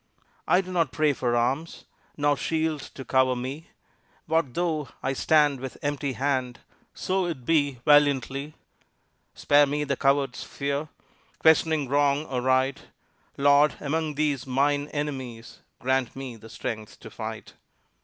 I do not pray for arms, Nor shield to cover me. What though I stand with empty hand, So it be valiantly! Spare me the coward's fear Questioning wrong or right: Lord, among these mine enemies, Grant me the strength to fight.